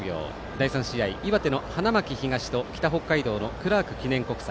第３試合、岩手の花巻東と北北海道のクラーク国際。